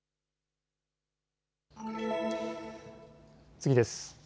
次です。